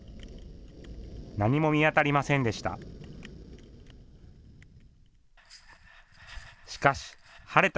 何も見当たりませんでした。